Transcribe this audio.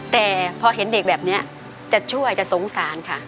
แต่พอเห็นเด็กแบบนี้จะช่วยจะสงสารค่ะ